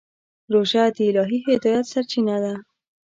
روژه د الهي هدایت سرچینه ده.